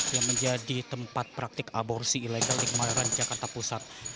yang menjadi tempat praktik aborsi ilegal di kemayoran jakarta pusat